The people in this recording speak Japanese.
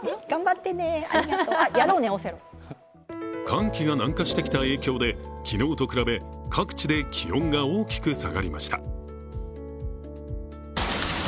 寒気が南下してきた影響で昨日と比べ各地で気温が大きく下がりました。